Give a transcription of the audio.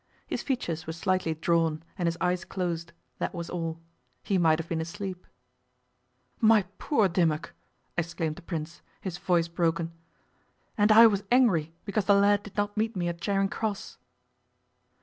His features were slightly drawn, and his eyes closed; that was all. He might have been asleep. 'My poor Dimmock!' exclaimed the Prince, his voice broken. 'And I was angry because the lad did not meet me at Charing Cross!